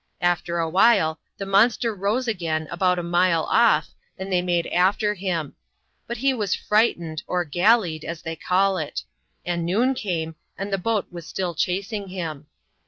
After a while, the monster rose again, about a mile off, and they made after him. But he was frightened, or " gallied," as they call it ; and noon came, and the boat was still chasing him.